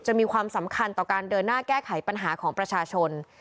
มีความสำคัญต่อการเดินหน้าแก้ไขปัญหาของประชาชน